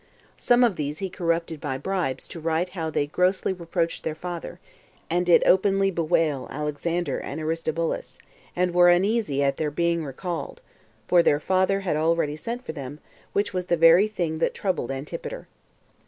Some of these he corrupted by bribes to write how they grossly reproached their father, and did openly bewail Alexander and Aristobulus, and were uneasy at their being recalled; for their father had already sent for them, which was the very thing that troubled Antipater.